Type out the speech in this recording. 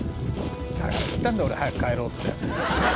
「だから言ったんだ俺早く帰ろうって」